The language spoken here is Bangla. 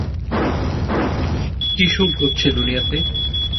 কী সব হচ্ছে দুনিয়াতে?